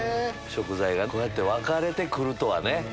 食材がこうやって分かれて来るとはね。